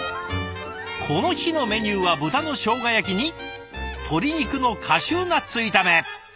この日のメニューは豚の生姜焼きに鶏肉のカシューナッツ炒め。